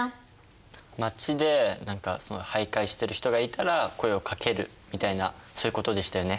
街で何か徘徊してる人がいたら声をかけるみたいなそういうことでしたよね。